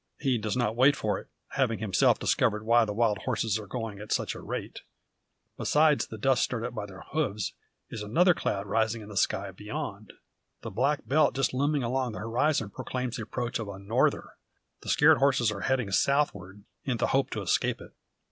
He does not wait for it, having himself discovered why the wild horses are going at such a rate. Besides the dust stirred up by their hooves, is another cloud rising in the sky beyond. The black belt just looming along the horizon proclaims the approach of a "norther." The scared horses are heading southward, in the hope to escape it.